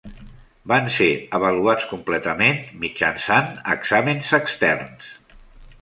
Van ser avaluats completament mitjançant exàmens externs.